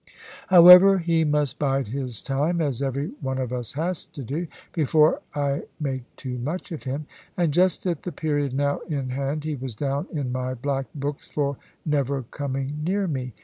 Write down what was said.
However, he must bide his time, as every one of us has to do, before I make too much of him. And just at the period now in hand he was down in my black books for never coming near me.